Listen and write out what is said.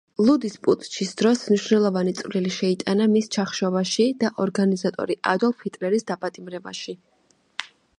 ლუდის პუტჩის დროს მნიშვნელოვანი წვლილი შეიტანა მის ჩახშობაში და ორგანიზატორი ადოლფ ჰიტლერის დაპატიმრებაში.